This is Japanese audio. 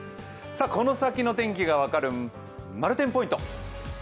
この先の天気が分かるまる天ポイント。